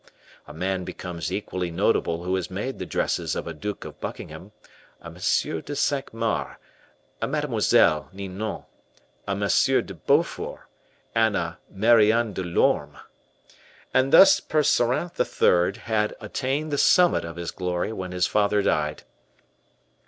A man becomes easily notable who has made the dresses of a Duke of Buckingham, a M. de Cinq Mars, a Mademoiselle Ninon, a M. de Beaufort, and a Marion de Lorme. And thus Percerin the third had attained the summit of his glory when his father died.